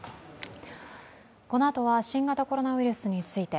このあとは新型コロナウイルスについて。